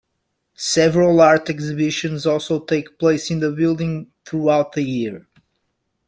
Several art exhibitions also take place in the building throughout the year.